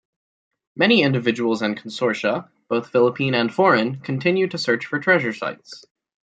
Many individuals and consortia, both Philippine and foreign, continue to search for treasure sites.